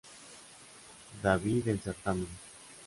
David en Carmarthen.